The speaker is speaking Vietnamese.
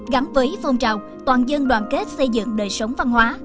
gắn với phong trào toàn dân đoàn kết xây dựng đời sống văn hóa